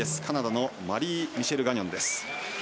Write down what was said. カナダのマリーミシェル・ガニョン。